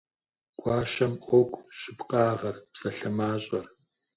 Гуащэм къокӀу щыпкъагъэр, псалъэ мащӀэр.